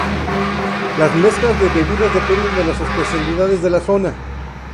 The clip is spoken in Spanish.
Las mezclas de bebidas dependen de las especialidades de la zona.